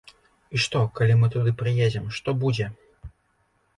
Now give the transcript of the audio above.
І што, калі мы туды прыедзем, што будзе?